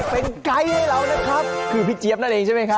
เป็นไกด์ให้เรานะครับคือพี่เจี๊ยบนั่นเองใช่ไหมครับ